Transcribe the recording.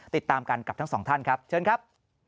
ติดตามกันกับทั้งสองท่านครับเชิญครับ